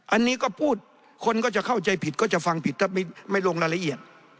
อันนี้ก็พูดคนก็จะเข้าใจผิดก็จะฟังผิดถ้าไม่ลงรายละเอียด